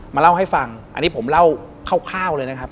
มาเล่าให้ฟังอันนี้ผมเล่าคร่าวเลยนะครับ